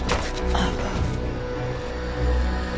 あっ。